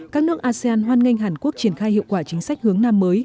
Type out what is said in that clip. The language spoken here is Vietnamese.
các nước asean hoan nghênh hàn quốc triển khai hiệu quả chính sách hướng nam mới